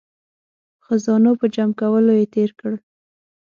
خزانو په جمع کولو یې تیر کړ.